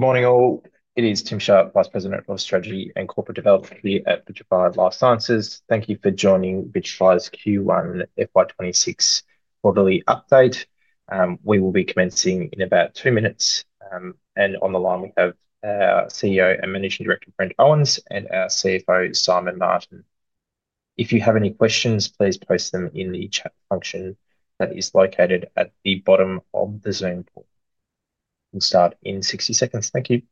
Good morning, all. It is Tim Sharp, Vice President of Strategy and Corporate Development here at Vitrafy Life Sciences. Thank you for joining Vitrafy's Q1 FY 2026 quarterly update. We will be commencing in about two minutes. On the line, we have our CEO and Managing Director, Brent Owens, and our CFO, Simon Martin. If you have any questions, please post them in the chat function that is located at the bottom of the Zoom portal. We'll start in 60 seconds. Thank you.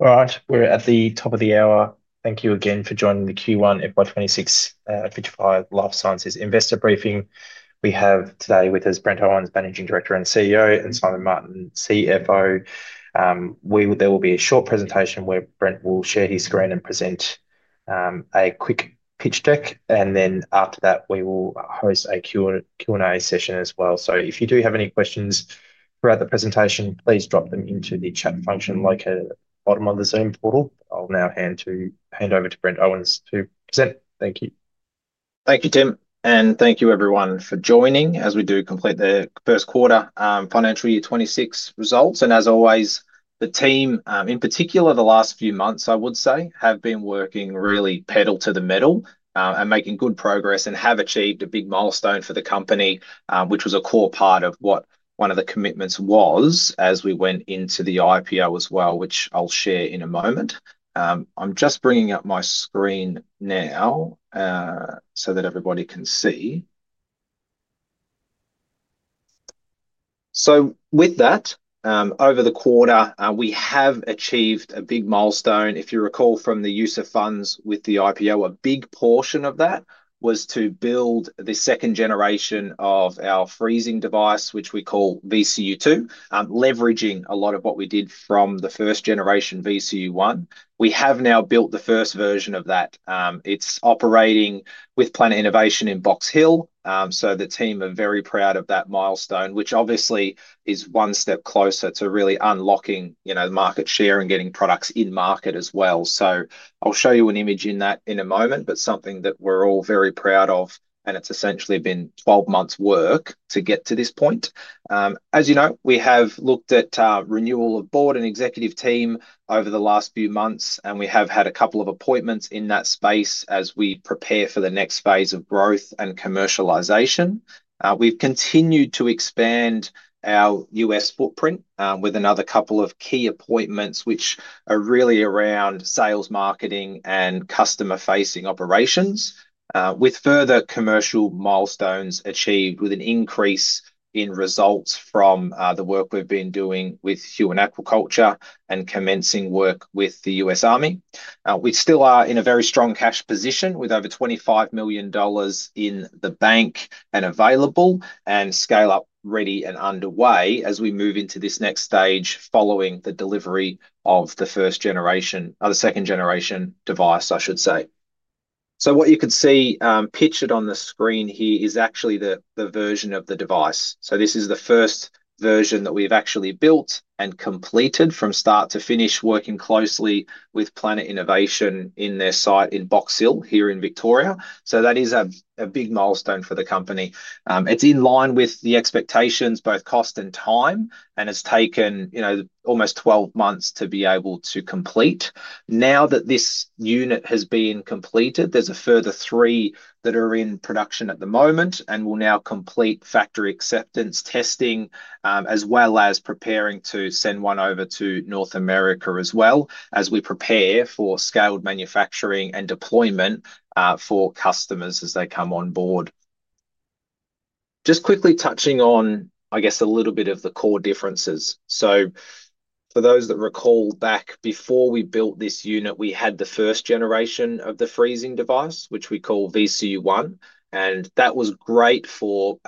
Alright, we're at the top of the hour. Thank you again for joining the Q1 FY 2026 Vitrafy Life Sciences Investor Briefing. We have today with us Brent Owens, Managing Director and CEO, and Simon Martin, CFO. There will be a short presentation where Brent will share his screen and present a quick pitch deck. After that, we will host a Q&A session as well. If you do have any questions throughout the presentation, please drop them into the chat function located at the bottom of the Zoom portal. I'll now hand over to Brent Owens to present. Thank you. Thank you, Tim. Thank you, everyone, for joining as we do complete the first quarter financial year 2026 results. As always, the team, in particular the last few months, I would say, have been working really pedal to the metal and making good progress and have achieved a big milestone for the company, which was a core part of what one of the commitments was as we went into the IPO as well, which I'll share in a moment. I'm just bringing up my screen now so that everybody can see. With that, over the quarter, we have achieved a big milestone. If you recall from the use of funds with the IPO, a big portion of that was to build the second generation of our freezing device, which we call VCU2, leveraging a lot of what we did from the first generation VCU1. We have now built the first version of that. It's operating with Planet Innovation in Box Hill. The team are very proud of that milestone, which obviously is one step closer to really unlocking the market share and getting products in market as well. I'll show you an image of that in a moment, but it's something that we're all very proud of, and it's essentially been 12 months' work to get to this point. As you know, we have looked at renewal of board and executive team over the last few months, and we have had a couple of appointments in that space as we prepare for the next phase of growth and commercialization. We've continued to expand our U.S. footprint with another couple of key appointments, which are really around sales, marketing, and customer-facing operations, with further commercial milestones achieved with an increase in results from the work we've been doing with Huon Aquaculture and commencing work with the U.S. Army. We still are in a very strong cash position with over 25 million dollars in the bank and available and scale-up ready and underway as we move into this next stage following the delivery of the first generation, the second generation device, I should say. What you could see pictured on the screen here is actually the version of the device. This is the first version that we've actually built and completed from start to finish, working closely with Planet Innovation in their site in Box Hill here in Victoria. That is a big milestone for the company. It's in line with the expectations, both cost and time, and it's taken almost 12 months to be able to complete. Now that this unit has been completed, there's a further three that are in production at the moment and will now complete factory acceptance testing, as well as preparing to send one over to North America as well, as we prepare for scaled manufacturing and deployment for customers as they come on board. Just quickly touching on a little bit of the core differences. For those that recall back before we built this unit, we had the first generation of the freezing device, which we call VCU1, and that was great for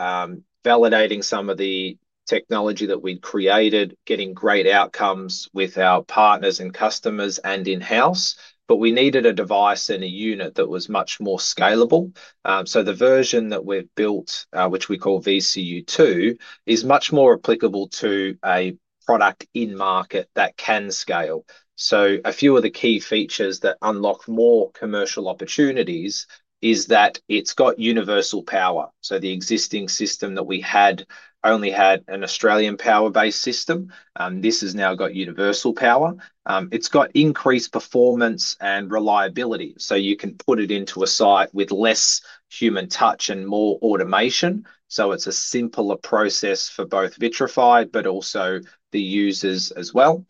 validating some of the technology that we'd created, getting great outcomes with our partners and customers and in-house. We needed a device and a unit that was much more scalable. The version that we've built, which we call VCU2, is much more applicable to a product in market that can scale. A few of the key features that unlock more commercial opportunities is that it's got universal power. The existing system that we had only had an Australian power-based system. This has now got universal power. It's got increased performance and reliability. You can put it into a site with less human touch and more automation. It's a simpler process for both Vitrafy, but also the users as well.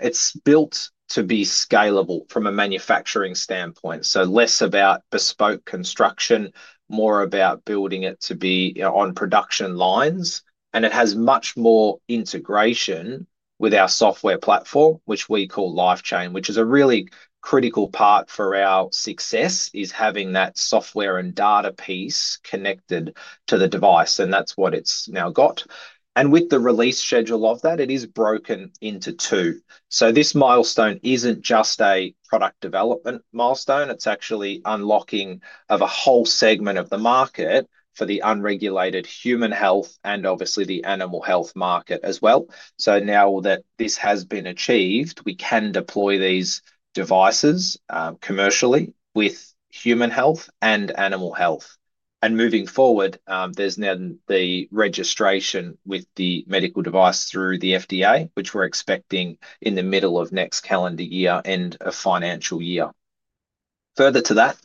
It's built to be scalable from a manufacturing standpoint. Less about bespoke construction, more about building it to be on production lines. It has much more integration with our software platform, which we call LifeChain, which is a really critical part for our success, is having that software and data piece connected to the device. That's what it's now got. With the release schedule of that, it is broken into two. This milestone isn't just a product development milestone. It's actually unlocking of a whole segment of the market for the unregulated human health and obviously the animal health market as well. Now that this has been achieved, we can deploy these devices commercially with human health and animal health. Moving forward, there's now the registration with the medical device through the FDA, which we're expecting in the middle of next calendar year and a financial year. Further to that,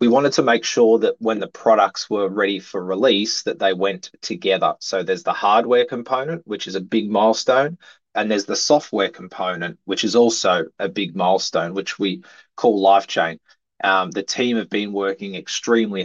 we wanted to make sure that when the products were ready for release, that they went together. There's the hardware component, which is a big milestone, and there's the software component, which is also a big milestone, which we call LifeChain. The team have been working extremely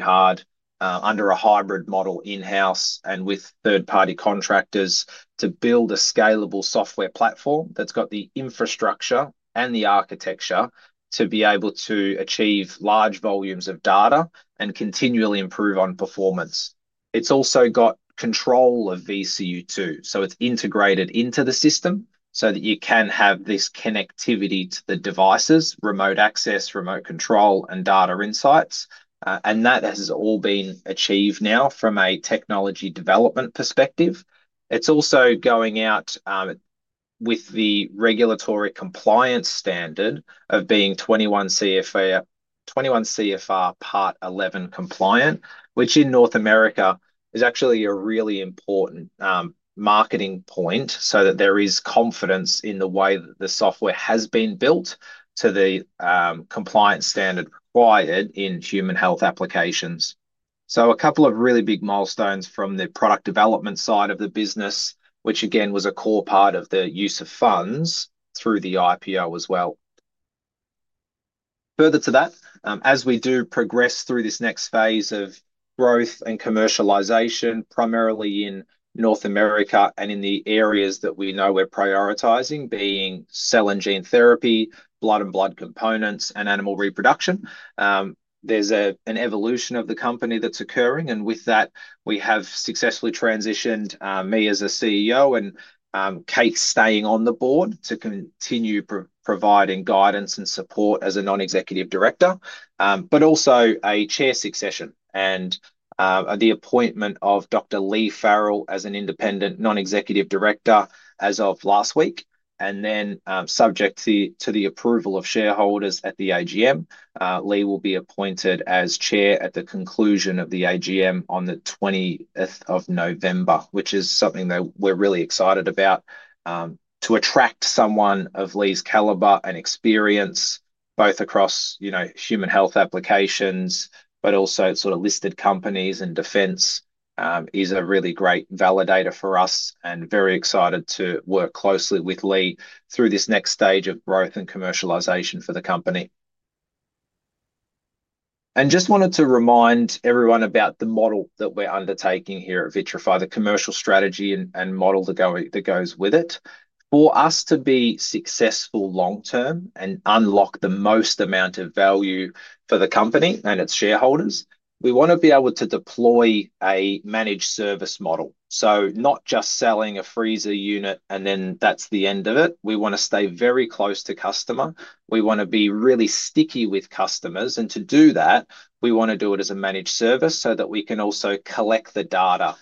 hard under a hybrid model in-house and with third-party contractors to build a scalable software platform that's got the infrastructure and the architecture to be able to achieve large volumes of data and continually improve on performance. It's also got control of VCU2. It's integrated into the system so that you can have this connectivity to the devices, remote access, remote control, and data insights. That has all been achieved now from a technology development perspective. It's also going out with the regulatory compliance standard of being 21 CFR Part 11 compliant, which in North America is actually a really important marketing point so that there is confidence in the way that the software has been built to the compliance standard required in human health applications. A couple of really big milestones from the product development side of the business, which again was a core part of the use of funds through the IPO as well. Further to that, as we do progress through this next phase of growth and commercialization, primarily in North America and in the areas that we know we're prioritizing, being cell and gene therapy, blood and blood components, and animal reproduction, there's an evolution of the company that's occurring. With that, we have successfully transitioned me as CEO and Kate staying on the board to continue providing guidance and support as a Non-Executive Director, but also a chair succession and the appointment of Dr. Lee Farrell as an Independent Non-Executive Director as of last week, and then subject to the approval of shareholders at the AGM. Lee will be appointed as Chair at the conclusion of the AGM on the 20th of November, which is something that we're really excited about to attract someone of Lee's caliber and experience both across, you know, human health applications, but also sort of listed companies and defense is a really great validator for us and very excited to work closely with Lee through this next stage of growth and commercialization for the company. I just wanted to remind everyone about the model that we're undertaking here at Vitrafy, the commercial strategy and model that goes with it. For us to be successful long-term and unlock the most amount of value for the company and its shareholders, we want to be able to deploy a managed service model. Not just selling a freezer unit and then that's the end of it. We want to stay very close to customer. We want to be really sticky with customers. To do that, we want to do it as a managed service so that we can also collect the data.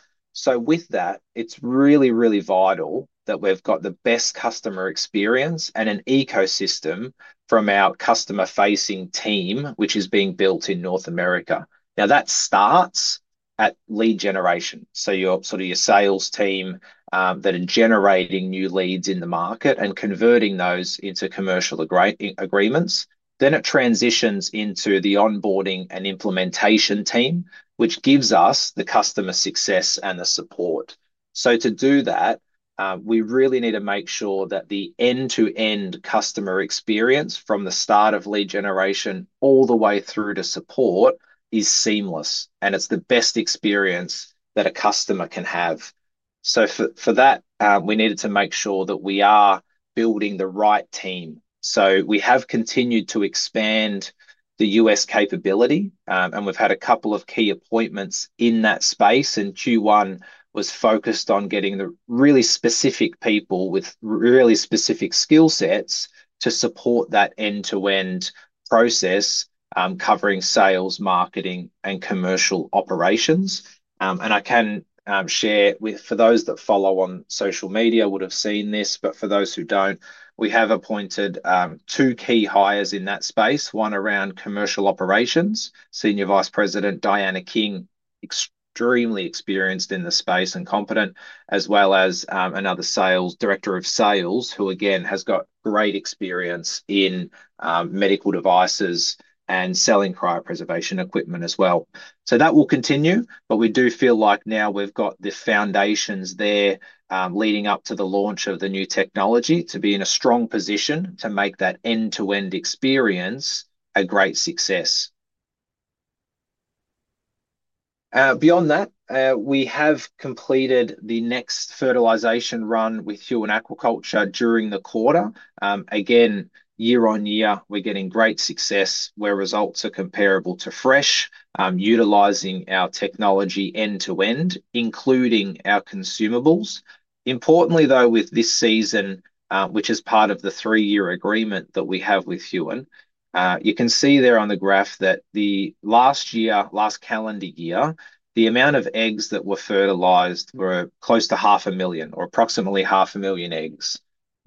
With that, it's really, really vital that we've got the best customer experience and an ecosystem from our customer-facing team, which is being built in North America. That starts at lead generation. You're sort of your sales team that are generating new leads in the market and converting those into commercial agreements. It transitions into the onboarding and implementation team, which gives us the customer success and the support. To do that, we really need to make sure that the end-to-end customer experience from the start of lead generation all the way through to support is seamless and it's the best experience that a customer can have. For that, we needed to make sure that we are building the right team. We have continued to expand the U.S. capability and we've had a couple of key appointments in that space. Q1 was focused on getting the really specific people with really specific skill sets to support that end-to-end process, covering sales, marketing, and commercial operations. I can share for those that follow on social media would have seen this, but for those who don't, we have appointed two key hires in that space, one around commercial operations, Senior Vice President Diana King, extremely experienced in the space and competent, as well as another Director of Sales who again has got great experience in medical devices and selling cryopreservation equipment as well. That will continue, but we do feel like now we've got the foundations there leading up to the launch of the new technology to be in a strong position to make that end-to-end experience a great success. Beyond that, we have completed the next fertilization run with Huon Aquaculture during the quarter. Year-on-year, we're getting great success where results are comparable to fresh, utilizing our technology end-to-end, including our consumables. Importantly, with this season, which is part of the three-year agreement that we have with Huon, you can see there on the graph that last year, last calendar year, the amount of eggs that were fertilized were close to 500,000 or approximately 500,000 eggs.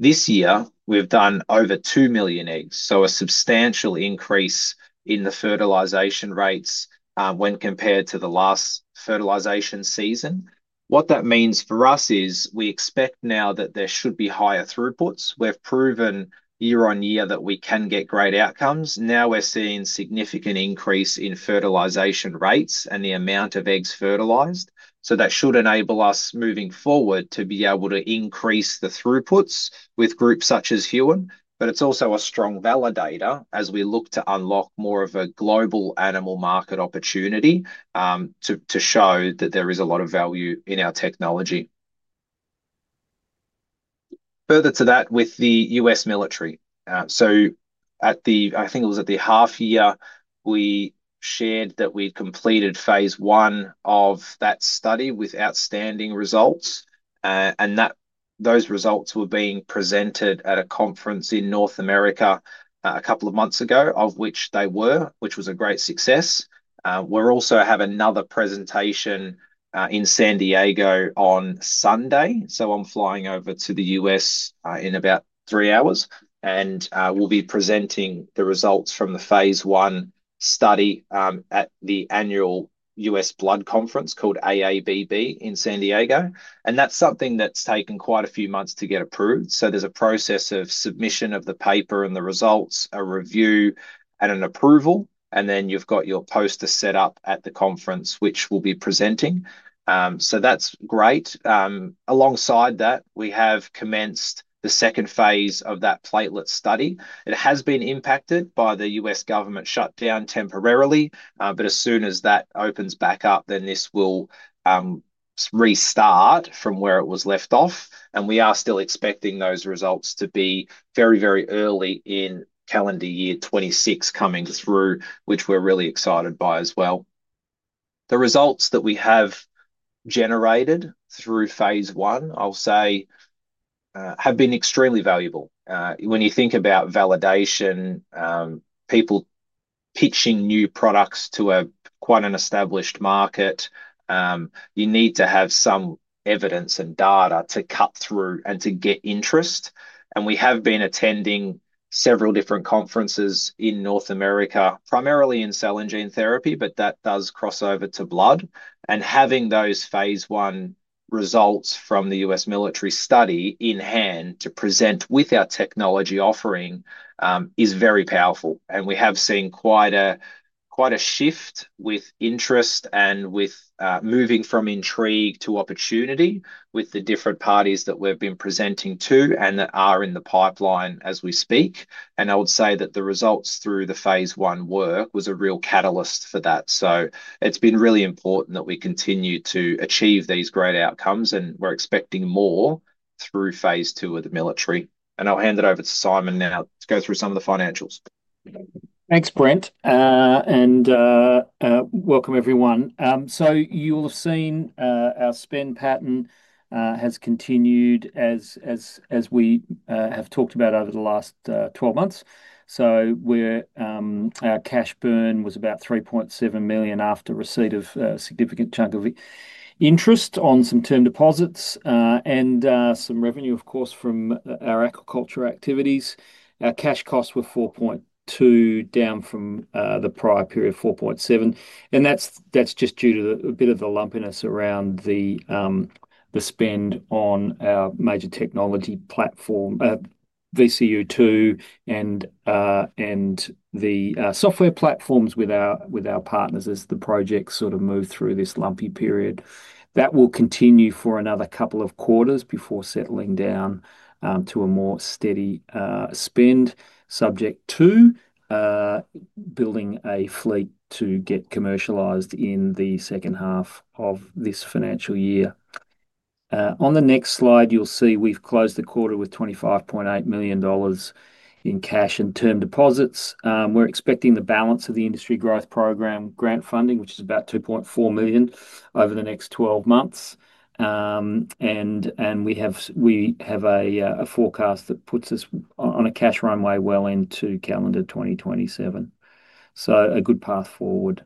This year, we've done over 2 million eggs, so a substantial increase in the fertilization rates when compared to the last fertilization season. What that means for us is we expect now that there should be higher throughputs. We've proven year-on-year that we can get great outcomes. Now we're seeing a significant increase in fertilization rates and the amount of eggs fertilized. That should enable us moving forward to be able to increase the throughputs with groups such as Huon, but it's also a strong validator as we look to unlock more of a global animal market opportunity to show that there is a lot of value in our technology. Further to that, with the U.S. military, at the, I think it was at the half year, we shared that we'd completed phase I of that study with outstanding results. Those results were being presented at a conference in North America a couple of months ago, which was a great success. We're also having another presentation in San Diego on Sunday. I'm flying over to the U.S. in about three hours and we'll be presenting the results from the phase I study at the annual U.S. Blood Conference called AABB in San Diego. That's something that's taken quite a few months to get approved. There's a process of submission of the paper and the results, a review, and an approval. Then you've got your poster set up at the conference, which we'll be presenting. That's great. Alongside that, we have commenced the second phase of that platelet study. It has been impacted by the U.S. government shutdown temporarily, but as soon as that opens back up, this will restart from where it was left off. We are still expecting those results to be very, very early in calendar year 2026 coming through, which we're really excited by as well. The results that we have generated through phase I, I'll say, have been extremely valuable. When you think about validation, people pitching new products to quite an established market, you need to have some evidence and data to cut through and to get interest. We have been attending several different conferences in North America, primarily in cell and gene therapy, but that does cross over to blood. Having those phase I results from the U.S. military study in hand to present with our technology offering is very powerful. We have seen quite a shift with interest and with moving from intrigue to opportunity with the different parties that we've been presenting to and that are in the pipeline as we speak. I would say that the results through the phase I work was a real catalyst for that. It has been really important that we continue to achieve these great outcomes, and we're expecting more through phase II of the military. I'll hand it over to Simon now to go through some of the financials. Thanks, Brent. Welcome everyone. You'll have seen our spend pattern has continued as we have talked about over the last 12 months. Our cash burn was about 3.7 million after receipt of a significant chunk of interest on some term deposits and some revenue, of course, from our aquaculture activities. Our cash costs were 4.2 million, down from the prior period of 4.7 million. That's just due to a bit of the lumpiness around the spend on our major technology platform, VCU2, and the software platforms with our partners as the project sort of moved through this lumpy period. That will continue for another couple of quarters before settling down to a more steady spend subject to building a fleet to get commercialized in the second half of this financial year. On the next slide, you'll see we've closed the quarter with 25.8 million dollars in cash and term deposits. We're expecting the balance of the Industry Growth Program grant funding, which is about 2.4 million over the next 12 months. We have a forecast that puts us on a cash runway well into calendar 2027. A good path forward.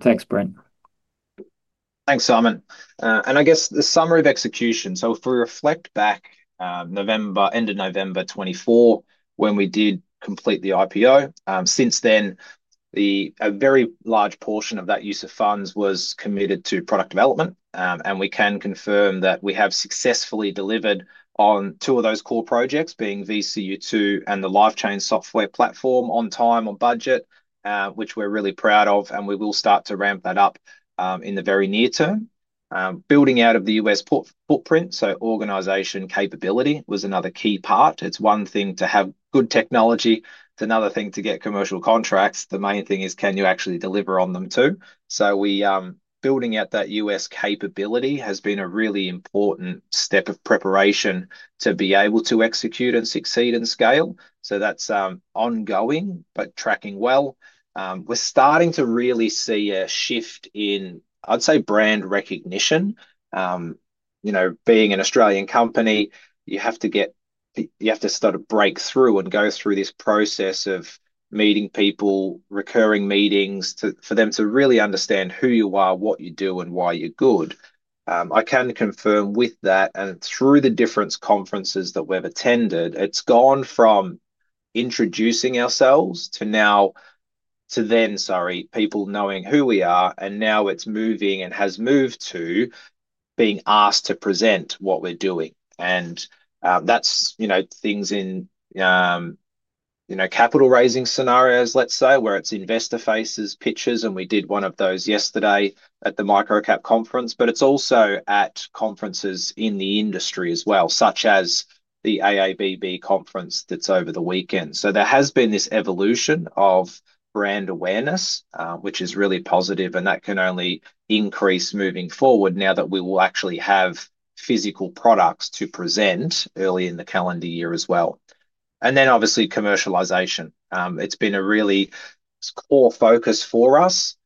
Thanks, Brent. Thanks, Simon. I guess the summary of execution. If we reflect back end of November 2024 when we did complete the IPO, since then, a very large portion of that use of funds was committed to product development. We can confirm that we have successfully delivered on two of those core projects, being VCU2 and the LifeChain software platform, on time, on budget, which we're really proud of. We will start to ramp that up in the very near term. Building out of the U.S. footprint, so organization capability was another key part. It's one thing to have good technology. It's another thing to get commercial contracts. The main thing is, can you actually deliver on them too? Building out that U.S. capability has been a really important step of preparation to be able to execute and succeed and scale. That's ongoing, but tracking well. We're starting to really see a shift in, I'd say, brand recognition. You know, being an Australian company, you have to get, you have to sort of break through and go through this process of meeting people, recurring meetings for them to really understand who you are, what you do, and why you're good. I can confirm with that and through the different conferences that we've attended, it's gone from introducing ourselves to now, to then, sorry, people knowing who we are. Now it's moving and has moved to being asked to present what we're doing. That's, you know, things in, you know, capital raising scenarios, let's say, where it's investor faces pitches. We did one of those yesterday at the Microcap Conference, but it's also at conferences in the industry as well, such as the AABB Conference that's over the weekend. There has been this evolution of brand awareness, which is really positive, and that can only increase moving forward now that we will actually have physical products to present early in the calendar year as well. Obviously, commercialization. It's been a really core focus for us.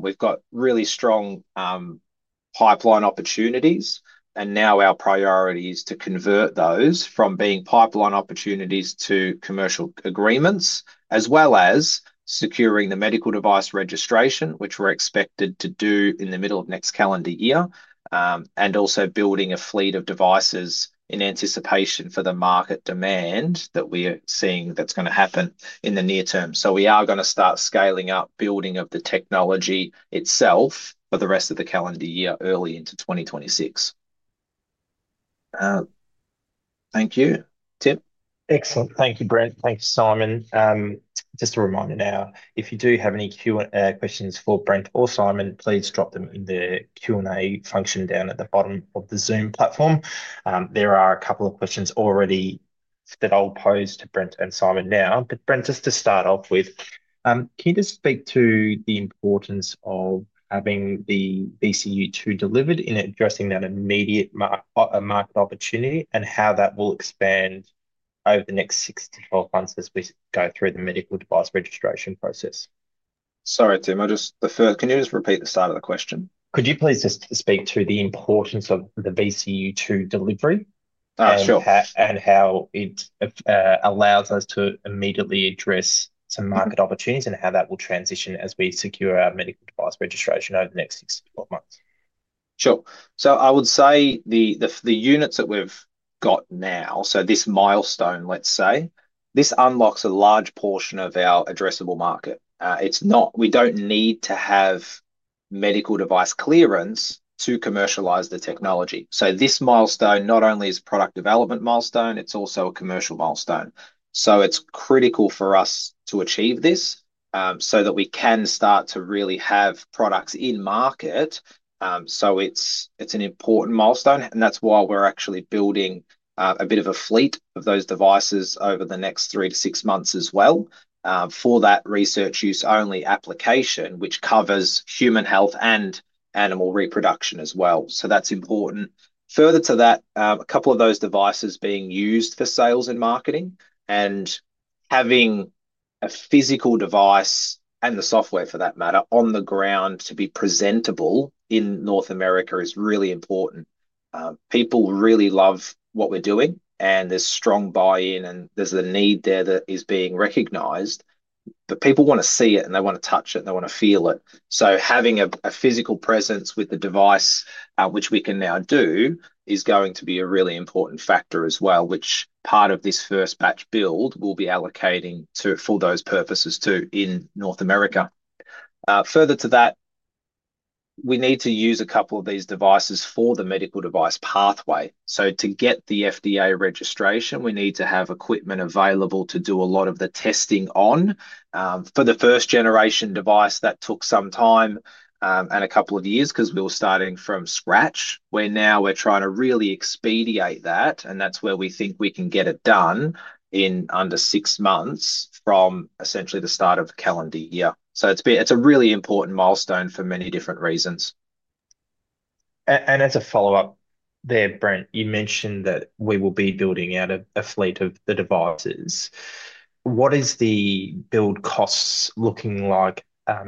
We've got really strong pipeline opportunities, and now our priority is to convert those from being pipeline opportunities to commercial agreements, as well as securing the medical device registration, which we're expected to do in the middle of next calendar year, and also building a fleet of devices in anticipation for the market demand that we are seeing that's going to happen in the near term. We are going to start scaling up building of the technology itself for the rest of the calendar year early into 2026. Thank you. Tim. Excellent. Thank you, Brent. Thank you, Simon. Just a reminder now, if you do have any Q&A questions for Brent or Simon, please drop them in the Q&A function down at the bottom of the Zoom platform. There are a couple of questions already that I'll pose to Brent and Simon now. Brent, just to start off with, can you just speak to the importance of having the VCU2 delivered in addressing that immediate market opportunity and how that will expand over the next six to 12 months as we go through the medical device registration process? Sorry, Tim, I just preferred, can you just repeat the start of the question? Could you please just speak to the importance of the VCU2 delivery? Sure. It allows us to immediately address some market opportunities and how that will transition as we secure our medical device registration over the next six to 12 months. Sure. I would say the units that we've got now, this milestone, let's say, unlocks a large portion of our addressable market. We don't need to have medical device clearance to commercialize the technology. This milestone not only is a product development milestone, it's also a commercial milestone. It's critical for us to achieve this so that we can start to really have products in market. It's an important milestone, and that's why we're actually building a bit of a fleet of those devices over the next three to six months as well for that research use only application, which covers human health and animal reproduction as well. That's important. Further to that, a couple of those devices being used for sales and marketing and having a physical device and the software for that matter on the ground to be presentable in North America is really important. People really love what we're doing, and there's strong buy-in, and there's a need there that is being recognized. People want to see it, and they want to touch it, and they want to feel it. Having a physical presence with the device, which we can now do, is going to be a really important factor as well, which part of this first batch build we'll be allocating for those purposes too in North America. Further to that, we need to use a couple of these devices for the medical device pathway. To get the FDA registration, we need to have equipment available to do a lot of the testing on. For the first generation device, that took some time and a couple of years because we were starting from scratch. We're now trying to really expedite that, and that's where we think we can get it done in under six months from essentially the start of the calendar year. It's a really important milestone for many different reasons. As a follow-up there, Brent, you mentioned that we will be building out a fleet of the devices. What is the build cost looking like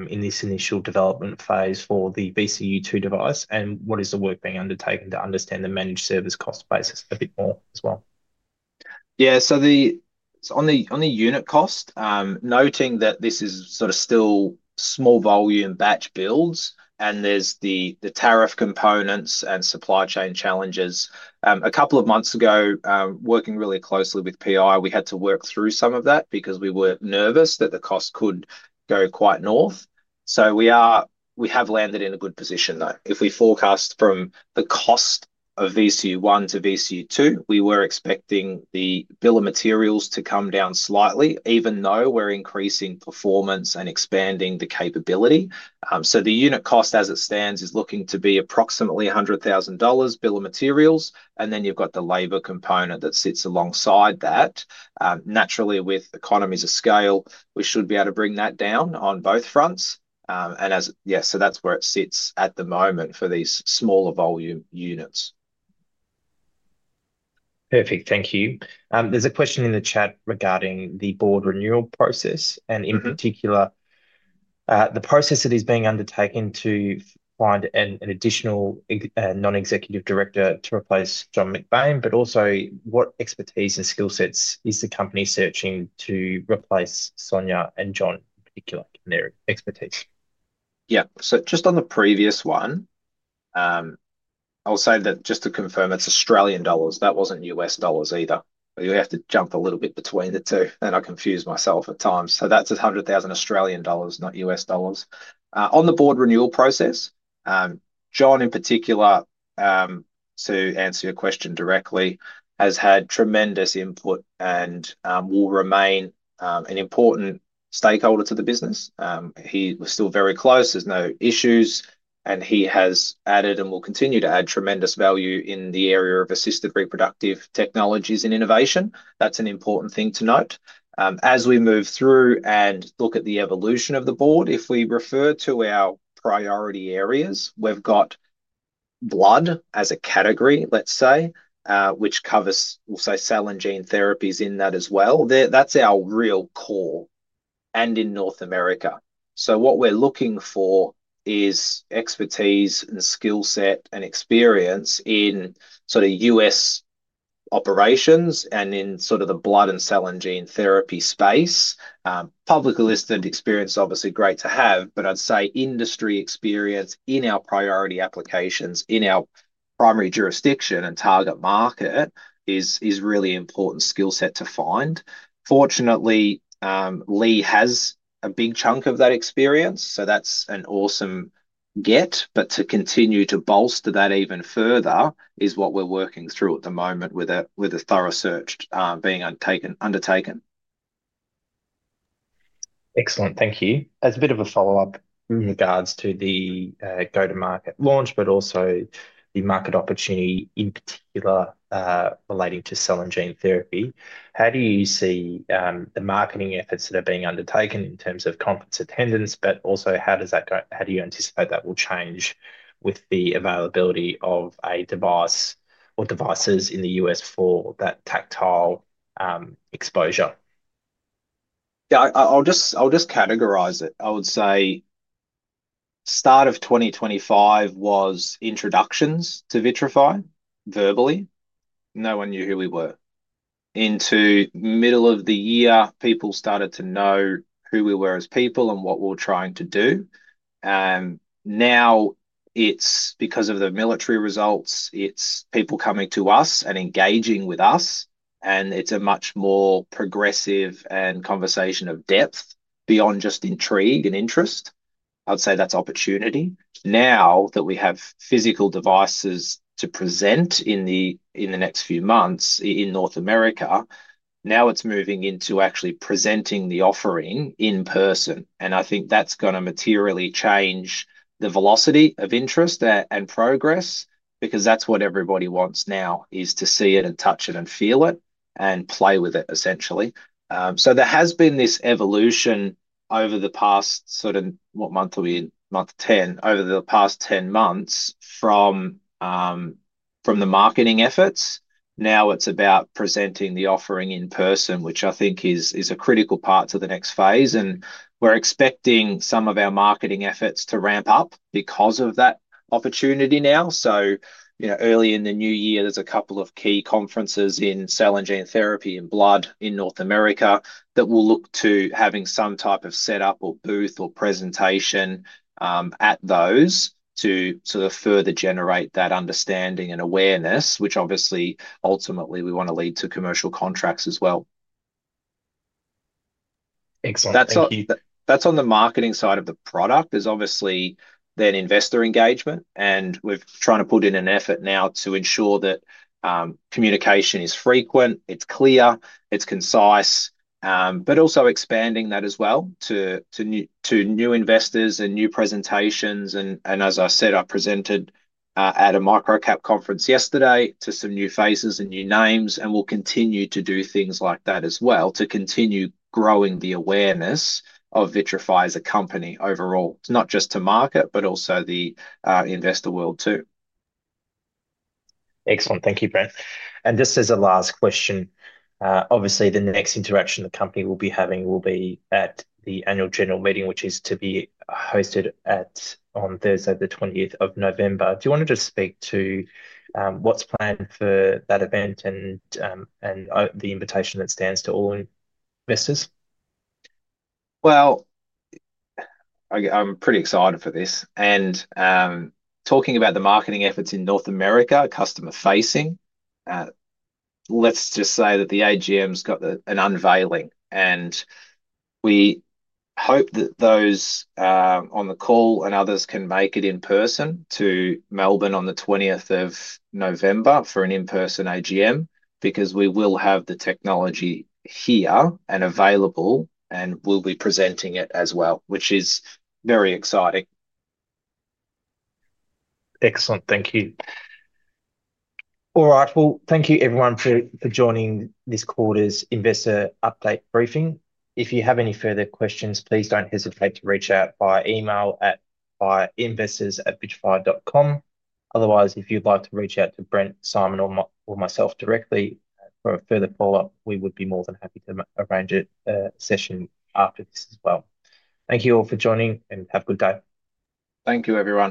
in this initial development phase for the VCU2 device, and what is the work being undertaken to understand the managed service cost basis a bit more as well? Yeah, so on the unit cost, noting that this is sort of still small volume batch builds, and there's the tariff components and supply chain challenges. A couple of months ago, working really closely with PI, we had to work through some of that because we were nervous that the cost could go quite north. We have landed in a good position though. If we forecast from the cost of VCU1 to VCU2, we were expecting the bill of materials to come down slightly, even though we're increasing performance and expanding the capability. The unit cost as it stands is looking to be approximately 100,000 dollars bill of materials, and then you've got the labor component that sits alongside that. Naturally, with economies of scale, we should be able to bring that down on both fronts. That's where it sits at the moment for these smaller volume units. Perfect, thank you. There's a question in the chat regarding the board renewal process, and in particular, the process that is being undertaken to find an additional non-executive director to replace John McBain, but also what expertise and skill sets is the company searching to replace Sonia and John in particular in their expertise? Yeah, just on the previous one, I'll say that just to confirm, it's Australian dollars. That wasn't U.S. dollars either. You have to jump a little bit between the two, and I confuse myself at times. That's 100,000 Australian dollars, not US dollars. On the board renewal process, John in particular, to answer your question directly, has had tremendous input and will remain an important stakeholder to the business. He is still very close, there's no issues, and he has added and will continue to add tremendous value in the area of assisted reproductive technologies and innovation. That's an important thing to note. As we move through and look at the evolution of the board, if we refer to our priority areas, we've got blood as a category, let's say, which covers, we'll say, cell and gene therapies in that as well. That's our real core and in North America. What we're looking for is expertise and skill set and experience in U.S. operations and in the blood and cell and gene therapy space. Publicly listed experience is obviously great to have, but I'd say industry experience in our priority applications in our primary jurisdiction and target market is really important skill set to find. Fortunately, Lee has a big chunk of that experience, so that's an awesome get, but to continue to bolster that even further is what we're working through at the moment with a thorough search being undertaken. Excellent, thank you. As a bit of a follow-up in regards to the go-to-market launch, but also the market opportunity in particular relating to cell and gene therapy, how do you see the marketing efforts that are being undertaken in terms of conference attendance? Also, how do you anticipate that will change with the availability of a device or devices in the U.S. for that tactile exposure? I'll just categorize it. I would say start of 2025 was introductions to Vitrafy verbally. No one knew who we were. Into the middle of the year, people started to know who we were as people and what we're trying to do. Now it's because of the military results, it's people coming to us and engaging with us, and it's a much more progressive conversation of depth beyond just intrigue and interest. I'd say that's opportunity. Now that we have physical devices to present in the next few months in North America, now it's moving into actually presenting the offering in person. I think that's going to materially change the velocity of interest and progress because that's what everybody wants now is to see it and touch it and feel it and play with it, essentially. There has been this evolution over the past sort of, what month are we in? Month 10, over the past 10 months from the marketing efforts. Now it's about presenting the offering in person, which I think is a critical part of the next phase. We're expecting some of our marketing efforts to ramp up because of that opportunity now. Early in the new year, there's a couple of key conferences in cell and gene therapy and blood in North America that will look to having some type of setup or booth or presentation at those to further generate that understanding and awareness, which obviously ultimately we want to lead to commercial contracts as well. Excellent. That's on the marketing side of the product. There's obviously then investor engagement, and we're trying to put in an effort now to ensure that communication is frequent, it's clear, it's concise, but also expanding that as well to new investors and new presentations. As I said, I presented at a Microcap conference yesterday to some new faces and new names, and we'll continue to do things like that as well to continue growing the awareness of Vitrafy as a company overall. It's not just to market, but also the investor world too. Excellent, thank you, Brent. Just as a last question, obviously the next interaction the company will be having will be at the annual general meeting, which is to be hosted on Thursday, the 20th of November. Do you want to just speak to what's planned for that event and the invitation that stands to all investors? I'm pretty excited for this. Talking about the marketing efforts in North America, customer-facing, let's just say that the AGM's got an unveiling. We hope that those on the call and others can make it in person to Melbourne on the 20th of November for an in-person AGM because we will have the technology here and available and we'll be presenting it as well, which is very exciting. Excellent, thank you. All right, thank you everyone for joining this quarter's investor update briefing. If you have any further questions, please don't hesitate to reach out via email at investors@vitrafy.com. Otherwise, if you'd like to reach out to Brent, Simon, or myself directly for a further follow-up, we would be more than happy to arrange a session after this as well. Thank you all for joining and have a good day. Thank you, everyone.